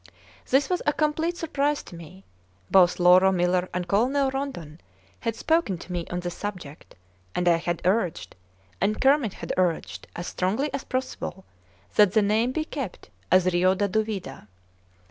This was a complete surprise to me. Both Lauro Miller and Colonel Rondon had spoken to me on the subject, and I had urged, and Kermit had urged, as strongly as possible, that the name be kept as Rio da Duvida.